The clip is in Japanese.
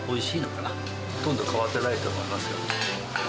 ほとんど変わってないと思いますよ。